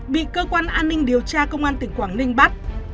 bị cơ quan an ninh điều tra công an tỉnh quảng ninh bắt